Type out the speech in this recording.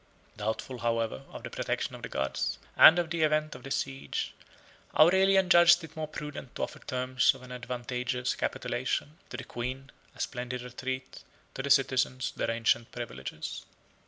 70 Doubtful, however, of the protection of the gods, and of the event of the siege, Aurelian judged it more prudent to offer terms of an advantageous capitulation; to the queen, a splendid retreat; to the citizens, their ancient privileges.